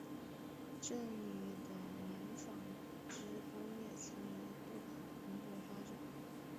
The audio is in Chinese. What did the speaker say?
这里的棉纺织工业曾一度蓬勃发展。